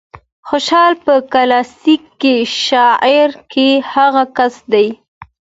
خوشال په کلاسيکه شاعرۍ کې هغه کس دى